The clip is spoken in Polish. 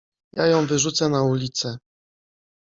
Ja ją wyrzucę na ulicę!